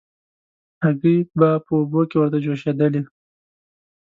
هګۍ به په اوبو کې ورته جوشېدلې.